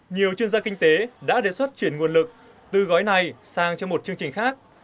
nhiều chuyên gia kinh tế đã đề xuất chuyển nguồn lực từ gói này sang cho một chương trình khác